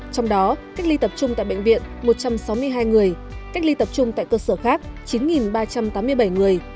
trong đó cách ly tập trung tại bệnh viện một trăm sáu mươi hai người cách ly tập trung tại cơ sở khác chín ba trăm tám mươi bảy người